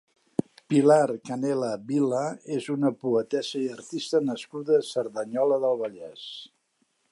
Pilar Canela Vila és una poetessa i artista nascuda a Cerdanyola del Vallès.